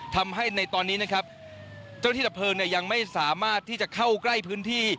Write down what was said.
ทำให้ในตอนนี้นะครับเจ้าที่ดับเพลิงเนี่ยยังไม่สามารถที่จะเข้าใกล้พื้นที่